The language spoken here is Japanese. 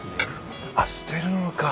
あっ捨てるのか。